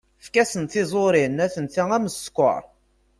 Efk-asen tiẓurin, atenta am skeṛ.